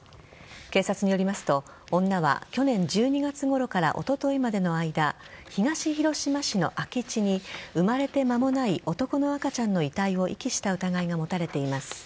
警察によりますと女は去年１２月ごろからおとといまでの間東広島市の空き地に生まれて間もない男の赤ちゃんの遺体を遺棄した疑いが持たれています。